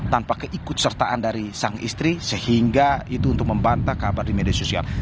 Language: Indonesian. tanpa keikut sertaan dari sang istri sehingga itu untuk membantah kabar di media sosial